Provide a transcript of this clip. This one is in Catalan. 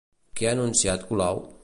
Què ha anunciat Colau?